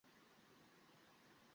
আমরা মন্দিরে আসিই উঁকি মারতে।